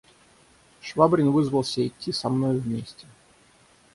Швабрин вызвался идти со мною вместе.